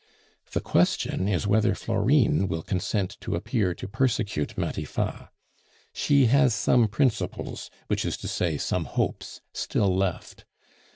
The question is whether Florine will consent to appear to persecute Matifat. She has some principles, which is to say, some hopes, still left.